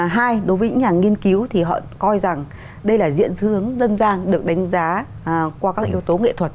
hai đối với những nhà nghiên cứu thì họ coi rằng đây là diễn sướng dân gian được đánh giá qua các yếu tố nghệ thuật